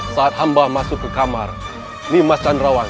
saat hamba masuk ke kamar mimas candrawan